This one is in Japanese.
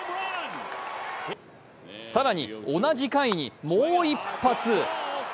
更に、同じ回にもう一発！